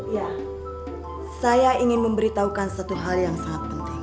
ya saya ingin memberitahukan satu hal yang sangat penting